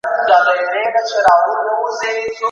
د مطرب لاس ته لوېدلی زوړ بې سوره مات رباب دی